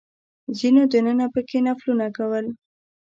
ځینو دننه په کې نفلونه کول.